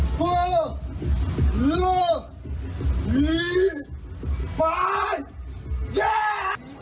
สว่าหรือหรือบ่ายย่า